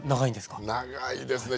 長いですね。